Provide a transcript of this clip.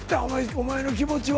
お前の気持ちは。